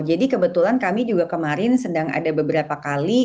jadi kebetulan kami juga kemarin sedang ada beberapa kali